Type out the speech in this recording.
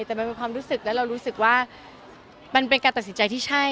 แต่มันเป็นความรู้สึกและเรารู้สึกว่ามันเป็นการตัดสินใจที่ใช่